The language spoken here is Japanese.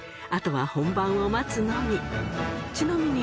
あとは本番を待つのみ。